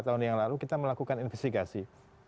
tiga tahun yang lalu kita melakukan investigasi